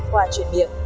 qua truyền biện